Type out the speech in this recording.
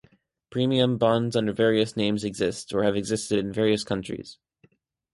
Premium Bonds under various names exist or have existed in various countries.